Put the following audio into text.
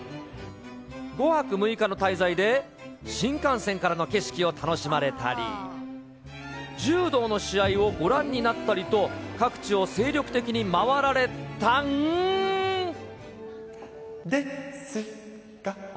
５泊６日の滞在で、新幹線からの景色を楽しまれたり、柔道の試合をご覧になったりと、各地を精力的に回られたんですが。